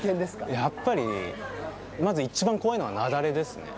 やっぱりまずいちばん怖いのは雪崩ですね。